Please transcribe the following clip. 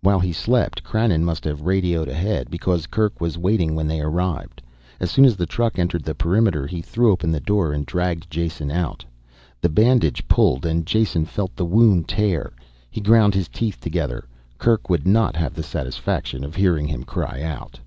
While he slept, Krannon must have radioed ahead, because Kerk was waiting when they arrived. As soon as the truck entered the perimeter he threw open the door and dragged Jason out. The bandage pulled and Jason felt the wound tear open. He ground his teeth together; Kerk would not have the satisfaction of hearing him cry out.